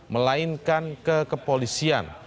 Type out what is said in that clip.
melainkan ke kepolisian